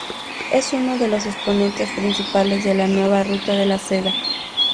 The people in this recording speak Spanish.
Es uno de los exponentes principales de la Nueva Ruta de la Seda.